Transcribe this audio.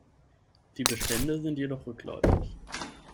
Die Bestände sind jedoch rückläufig.